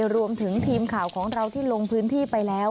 รวมถึงทีมข่าวของเราที่ลงพื้นที่ไปแล้ว